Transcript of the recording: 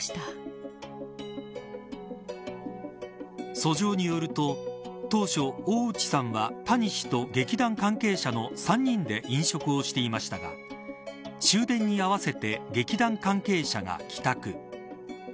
訴状によると当初、大内さんは谷氏と劇団関係者の３人で飲食をしていましたが終電に合わせて劇団関係者が帰宅。